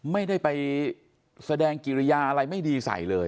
ไม่ได้ไปแสดงกิริยาอะไรไม่ดีใส่เลย